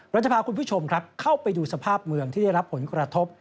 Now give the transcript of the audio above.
เราจะพาคุณผู้ชมครับเข้าไปดูสภาพเมืองที่ได้รับผลกระทบ